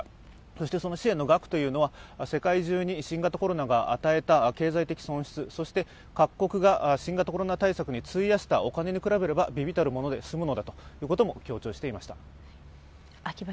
そしてその支援の額は世界中に新型コロナが与えた経済的損失、各国が新型コロナ対策に費やしたお金に比べれば微々たるもので済むのだということを強調していました。